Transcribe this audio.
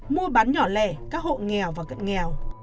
mua bán nhỏ lẻ các hộ nghèo và cận nghèo